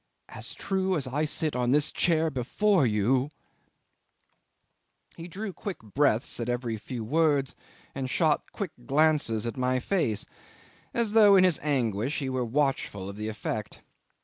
As true as I sit on this chair before you ..." 'He drew quick breaths at every few words and shot quick glances at my face, as though in his anguish he were watchful of the effect.